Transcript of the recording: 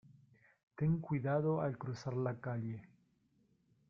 Ten cuidado al cruzar la calle.